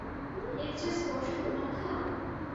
এর চেয়ে স্পষ্ট প্রমাণ কী হবে?